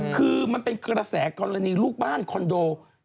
คือมันเป็นกระแสกรณีลูกบ้านคอนโด